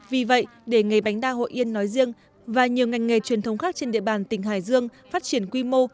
vì vậy để nghề bánh đa hội yên nói riêng và nhiều ngành nghề truyền thống khác trên địa bàn tỉnh hải dương phát triển quy mô